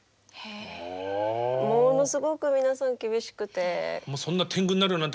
ものすごく皆さん厳しくて。